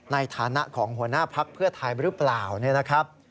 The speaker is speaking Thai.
ในฐานะของหัวหน้าพักษณ์เพื่อถ่ายมาหรือเปล่า